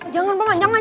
jangan pemen jangan